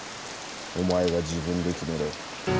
お前が自分で決めろ。